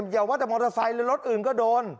อย่าว่าแต่มอเตอร์ไซค์หรือรถอื่นก็โดน